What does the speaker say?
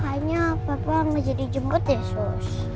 kayaknya papa gak jadi jemput ya sus